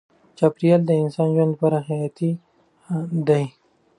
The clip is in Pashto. چاپیریال د انسان ژوند لپاره حیاتي دی.